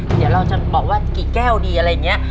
เดี๋ยวเราจะบอกว่ากี่แก้วดีอะไรอย่างนี้